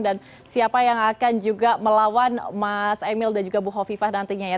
dan siapa yang akan juga melawan mas emil dan juga bu hovifah nantinya ya